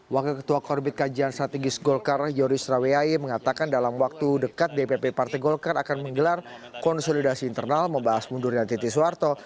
wakil ketua korbit kajian strategis golkar yoris raweai mengatakan dalam waktu dekat dpp partai golkar akan menggelar konsolidasi internal membahas mundurnya titi soeharto